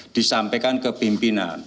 disampaikan ke pimpinan